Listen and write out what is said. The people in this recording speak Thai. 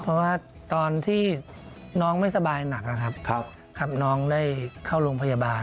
เพราะว่าตอนที่น้องไม่สบายหนักนะครับน้องได้เข้าโรงพยาบาล